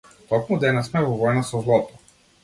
Токму денес сме во војна со злото!